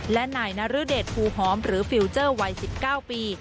และนายนรเดชภูหอมหรือฟิลเจอร์วัย๑๙ปี